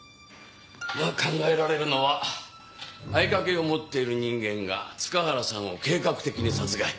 まぁ考えられるのは合鍵を持っている人間が塚原さんを計画的に殺害。